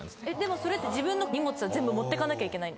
それって自分の荷物は全部持ってかなきゃいけない？